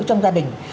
trong gia đình